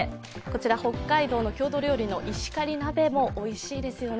北海道の郷土料理の石狩鍋もおいしいですよね。